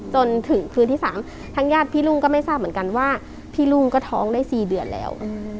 จนถึงคืนที่๓ทางญาติพี่รุ่งก็ไม่ทราบเหมือนกันว่าพี่รุ่งก็ท้องได้๔เดือนแล้ว